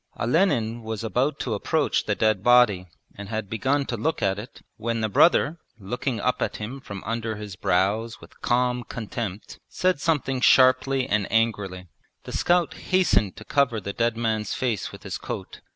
Olenin was about to approach the dead body and had begun to look at it when the brother, looking up at him from under his brows with calm contempt, said something sharply and angrily. The scout hastened to cover the dead man's face with his coat.